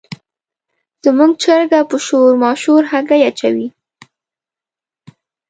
زموږ چرګه په شور ماشور هګۍ اچوي.